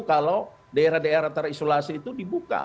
kalau daerah daerah terisolasi itu dibuka